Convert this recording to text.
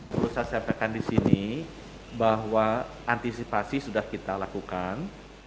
perlu saya sampaikan di sini bahwa antisipasi sudah kita lakukan